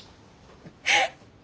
えっ！